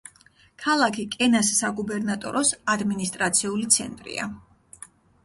ქალაქი კენას საგუბერნატოროს ადმინისტრაციული ცენტრია.